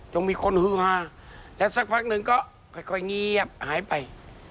มีคนฮือฮาและสักพักหนึ่งก็ค่อยเงียบหายไป